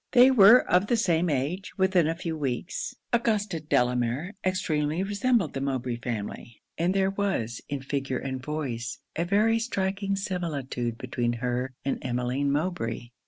They were of the same age, within a few weeks. Augusta Delamere extremely resembled the Mowbray family: and there was, in figure and voice, a very striking similitude between her and Emmeline Mowbray.